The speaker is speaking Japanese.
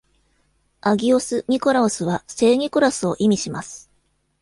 アギオス・ニコラオスは、「聖ニコラス」を意味します。